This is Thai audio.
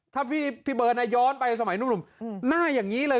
ถ้าพี่เบิร์ตย้อนไปสมัยหนุ่มหน้าอย่างนี้เลย